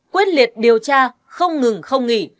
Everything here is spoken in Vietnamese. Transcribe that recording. quyết liệt điều tra không ngừng không nghỉ